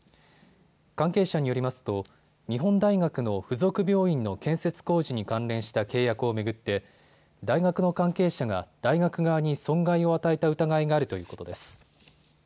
関係者によりますと日本大学の付属病院の建設工事に関連した契約を巡って大学の関係者が大学側に損害を与えた疑いがあるということです。